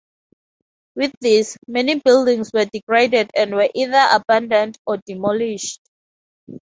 With this, many buildings were degraded and were either abandoned or demolished.